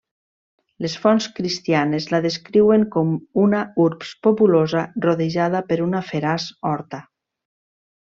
Les fonts cristianes la descriuen com una urbs populosa, rodejada per una feraç horta.